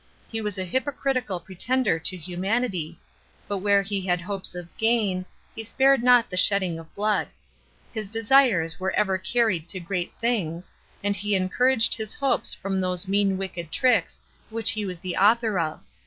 He was a hypocritical pretender to humanity, but where he had hopes of gain, he spared not the shedding of blood: his desires were ever carried to great things, and he encouraged his hopes from those mean wicked tricks which he was the author of.